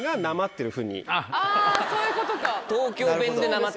あぁそういうことか。